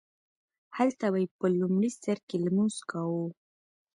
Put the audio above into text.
هلته به یې په لومړي سرکې لمونځ کاوو.